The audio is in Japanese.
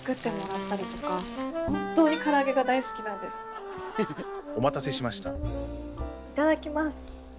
いただきます。